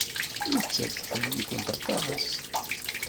Nettat tḥemmel-ikent aṭas.